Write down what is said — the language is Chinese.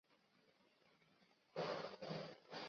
黄绿薹草为莎草科薹草属的植物。